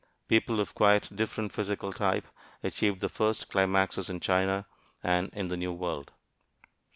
Peoples of quite different physical type achieved the first climaxes in China and in the New World.